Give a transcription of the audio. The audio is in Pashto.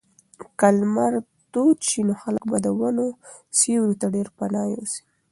که لمر تود شي نو خلک به د ونو سیوري ته ډېر پناه یوسي.